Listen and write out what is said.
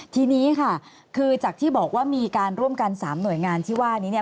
ทีนี้ค่ะคือจากที่บอกว่ามีการร่วมกัน๓หน่วยงานที่ว่านี้เนี่ย